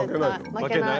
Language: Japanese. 負けない。